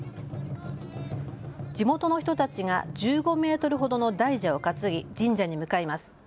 地元の人たちが１５メートルほどの大蛇を担ぎ神社に向かいます。